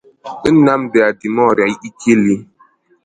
Nnamdi Adimora-Ikeli